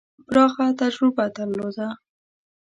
پراخه تجربه درلوده.